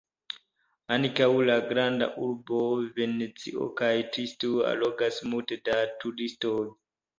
Ankaŭ la grandaj urboj Venecio kaj Triesto allogas multe da turistoj.